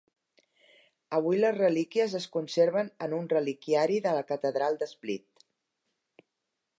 Avui les relíquies es conserven en un reliquiari de la catedral de Split.